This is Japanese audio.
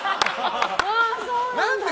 何で！